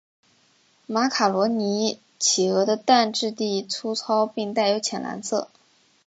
马卡罗尼企鹅的蛋质地粗糙并带有浅蓝色。